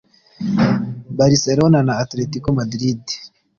Barcelona na Atletico Madrid